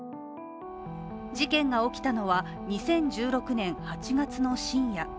事件が起きたのは２０１６年８月の深夜。